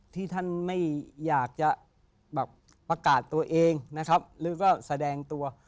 ที่ท่านไม่อยากจะแบบประกาศตัวเองนะครับหรือก็แสดงตัว